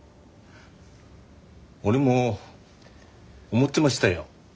俺も思ってましたよ